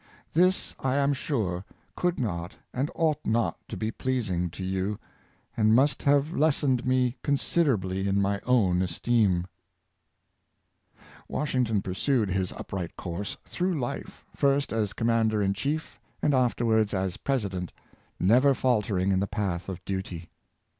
This, I am sure, could not and 32 " 498 Nelson's Ideal of Duty, ought not to be pleasing to you, and must have lessened me considerably in my own esteem.'' Washington pursued his upright course through life, first as commander in chief, and afterwards as president, never faltering in the path of duty.